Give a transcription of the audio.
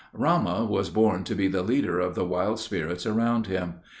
Ramah was born to be the leader of the wild spirits around him.